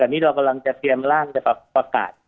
ขณะนี้เรากำลังเตรียมร่างความประกาศ